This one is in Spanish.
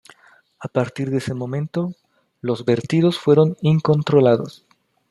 A partir de ese momento, los vertidos fueron incontrolados.